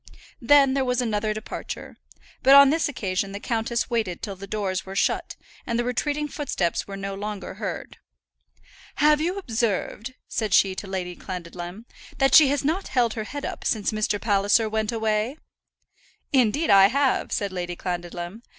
Then there was another departure; but on this occasion the countess waited till the doors were shut, and the retreating footsteps were no longer heard. "Have you observed," said she to Lady Clandidlem, "that she has not held her head up since Mr. Palliser went away?" "Indeed I have," said Lady Clandidlem.